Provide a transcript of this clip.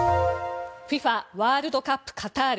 ＦＩＦＡワールドカップカタール。